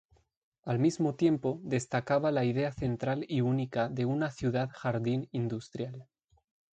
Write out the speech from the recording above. Al mismo tiempo, destacaba la idea central y única de una ciudad jardín industrial.